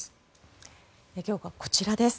今日はこちらです。